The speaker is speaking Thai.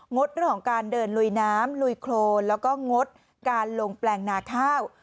ดเรื่องของการเดินลุยน้ำลุยโครนแล้วก็งดการลงแปลงนาข้าว